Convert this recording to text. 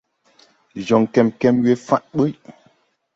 Ndi jɔŋ kɛmkɛm we fa̧ɗ ɓuy.